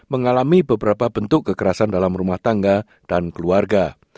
mengalami beberapa bentuk kekerasan dalam rumah tangga dan keluarga